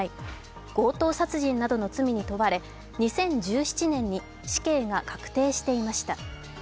強盗殺人などの罪に問われ２０１７年に死刑が確定していました。